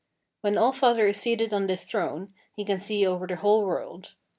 When All father is seated on this throne, he can see over the whole world.